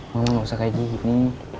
mama gak usah kayak gini